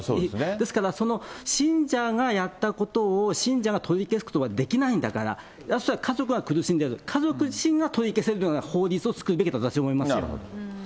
ですから、その信者がやったことを信者が取り消すことはできないんだから、家族が苦しんでる、家族自身が取り消せるような法律を作るべきだと私は思いますけどなるほど。